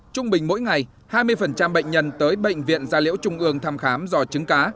trung bình mỗi ngày hai mươi bệnh nhân tới bệnh viện gia liễu trung ương thăm khám do trứng cá